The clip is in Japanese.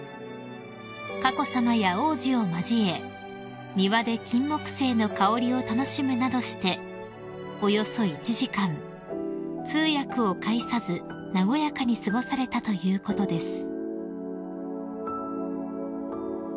［佳子さまや王子を交え庭でキンモクセイの香りを楽しむなどしておよそ１時間通訳を介さず和やかに過ごされたということです］